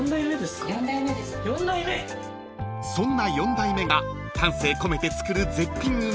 ［そんな４代目が丹精込めて作る絶品うなぎが］